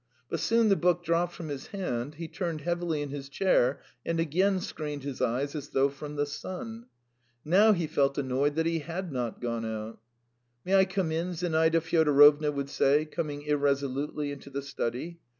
But soon the book dropped from his hand, he turned heavily in his chair, and again screened his eyes as though from the sun. Now he felt annoyed that he had not gone out. "May I come in?" Zinaida Fyodorovna would say, coming irresolutely into the study.